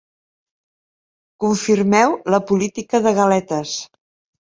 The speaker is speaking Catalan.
Confirmeu la política de galetes.